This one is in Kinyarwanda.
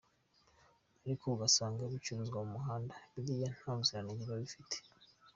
ariko ugasanga biracuruzwa ku muhanda, biriya nta buzirange biba bifite.